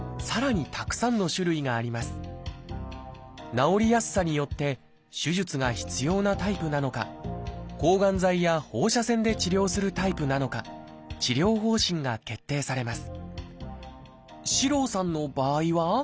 治りやすさによって手術が必要なタイプなのか抗がん剤や放射線で治療するタイプなのか治療方針が決定されます。